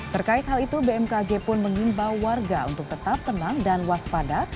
terkait hal itu bmkg pun mengimbau warga untuk tetap tenang dan waspada